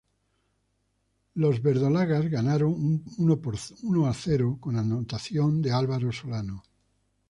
Los verdolagas ganaron uno por cero, con anotación de Álvaro Solano.